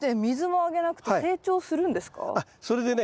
あっそれでね